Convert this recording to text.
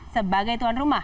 sebagai tuan rupiah